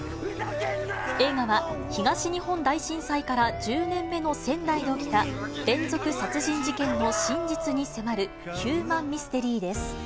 映画は東日本大震災から１０年目の仙台で起きた、連続殺人事件の真実に迫るヒューマンミステリーです。